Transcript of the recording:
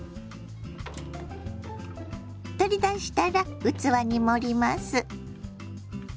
取り出したら器に盛ります。